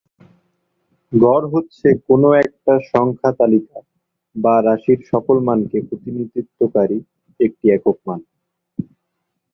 গড় হচ্ছে কোনো একটা সংখ্যা তালিকা বা রাশির সকল মানকে প্রতিনিধিত্বকারী একটি একক মান।